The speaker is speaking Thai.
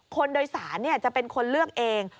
ผู้โดยสารจะเป็นคนเลือกเอง